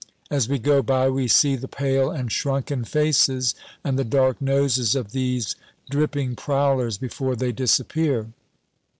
As we go by we see the pale and shrunken faces and the dark noses of these dripping prowlers before they disappear.